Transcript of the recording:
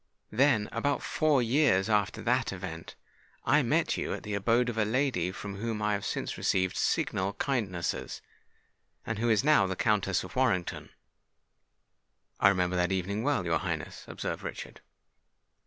Then, about four years after that event, I met you at the abode of a lady from whom I have since received signal kindnesses, and who is now the Countess of Warrington." "I remember that evening well, your Highness," observed Richard.